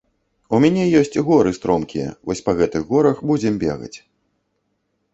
У мяне ёсць горы стромкія, вось па гэтых горах будзем бегаць.